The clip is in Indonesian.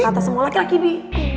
kata semua laki laki